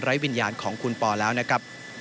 วิญญาณของคุณปอแล้วนะครับ